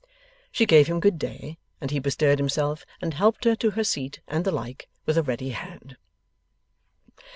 She gave him good day, and he bestirred himself and helped her to her seat, and the like, with a ready hand.